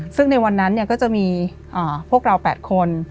ซึ่งในวันนั้นก็จะมีพวกเรา๘คน